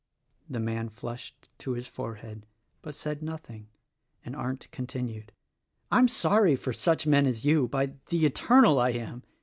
The man flushed to his forehead but said nothing, and Arndt continued: "I'm sorry for such men as you, by the Eternal, I am!